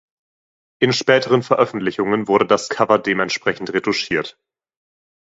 In späteren Veröffentlichungen wurde das Cover dementsprechend retuschiert.